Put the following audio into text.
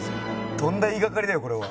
とんだ言いがかりだよこれは。